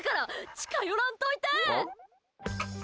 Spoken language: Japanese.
近寄らんといて！